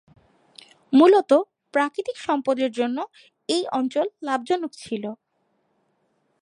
মূলত প্রাকৃতিক সম্পদের জন্য এই অঞ্চল লাভজনক ছিল।